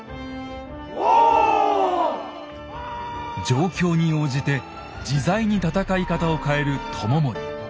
状況に応じて自在に戦い方を変える知盛。